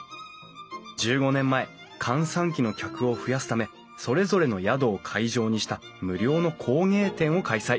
１５年前閑散期の客を増やすためそれぞれの宿を会場にした無料の工芸展を開催。